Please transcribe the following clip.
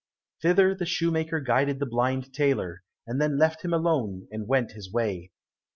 Thither the shoemaker guided the blind tailor, and then left him alone and went his way.